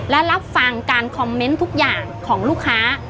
และรับฟังการคอมเมนต์ทุกอย่างของลูกค้า